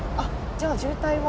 じゃあ、渋滞は？